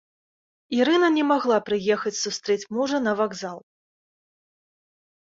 Ірына не магла прыехаць сустрэць мужа на вакзал.